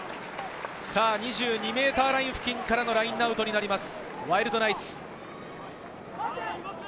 ２２ｍライン付近からのラインアウトになります